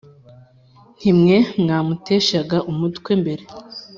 Ntimwe mwamumuteshaga umtwe mbere